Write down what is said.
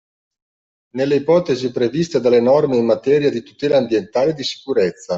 Nelle ipotesi previste dalle norme in materia di tutela ambientale e di sicurezza